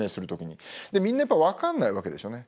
みんなやっぱ分かんないわけでしょうね。